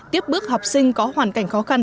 tiếp bước học sinh có hoàn cảnh khó khăn